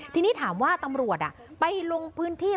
ทีนี้ถามว่าตำรวจไปลงพื้นที่